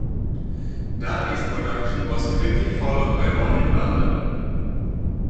Daly's production was quickly followed by one in London.